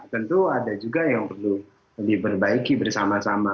tentu ada juga yang perlu diperbaiki bersama sama